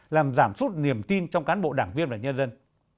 làm giảm sút niềm tin trong cán bộ đảng viên và nhân dân